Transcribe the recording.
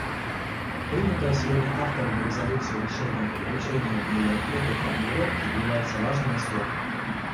Принятое сегодня авторами резолюции решение о включении в нее этой формулировки является важным успехом.